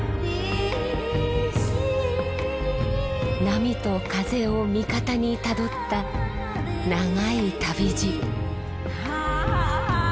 波と風を味方にたどった長い旅路。